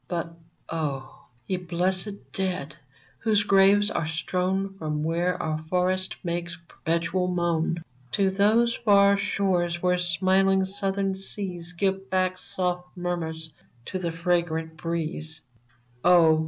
But, oh ! ye blessed dead, whose graves are strown From where our forests make perpetual moan, To those far shores where smiling Southern seas Give back soft murmurs to the fragrant breeze — Oh